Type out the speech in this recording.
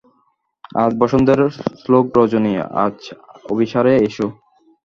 আজ বসন্তের শুক্ল রজনী, আজ অভিসারে এসো!